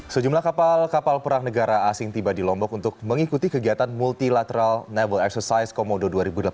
sejumlah kapal kapal perang negara asing tiba di lombok untuk mengikuti kegiatan multilateral naval exercise komodo dua ribu delapan belas